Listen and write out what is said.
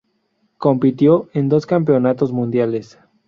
Compitió en dos Campeonatos Mundiales.